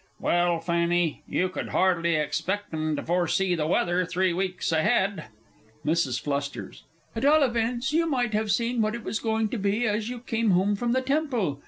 Well, Fanny, you could hardly expect 'em to foresee the weather three weeks ahead! MRS. F. At all events, you might have seen what it was going to be as you came home from the Temple.